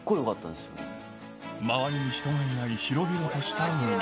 周りに人がいない、広々とした海。